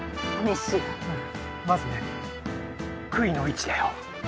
まずね杭の位置だよ。